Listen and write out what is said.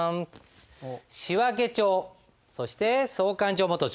仕訳帳そして総勘定元帳